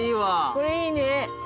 これいいね。